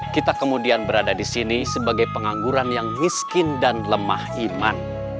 kita kemudian berada di sini sebagai pengangguran yang miskin dan lemah iman